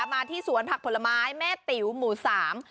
มาที่สวนผักผลไม้แม่ติ๋วหมู่สาม